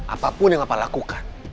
apapun yang papa lakukan